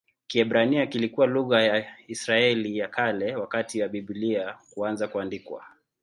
Kiebrania kilikuwa lugha ya Israeli ya Kale wakati wa Biblia kuanza kuandikwa.